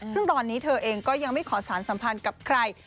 ซึ่งตอนนี้เธอเองก็ยังไม่ขอสารสัมพันธ์กับใคร